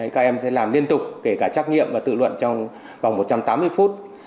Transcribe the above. các em sẽ làm liên tục kể cả trách nhiệm và tự luận trong vòng một trăm tám mươi phút